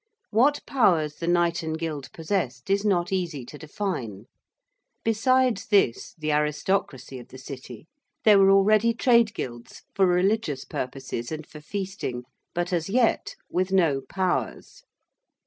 What powers the Knighten Guild possessed is not easy to define. Besides this, the aristocracy of the City, there were already trade guilds for religious purposes and for feasting but, as yet, with no powers.